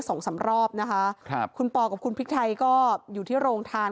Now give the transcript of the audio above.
สองสามรอบนะคะครับคุณปอกับคุณพริกไทยก็อยู่ที่โรงทาน